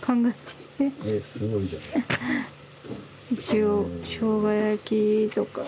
一応しょうが焼きとか。